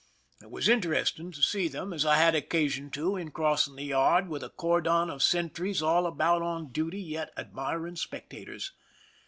It was interesting to see them, as I had occasion to,, in crossing the yard, with a cordon of sentries all about on duty, yet admiring spectators.